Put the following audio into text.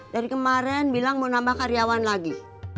dari kemarin bilang mau nambah karyawan lagi